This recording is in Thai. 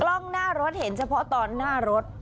กล้องหน้ารถเห็นเฉพาะตอนหน้ารถ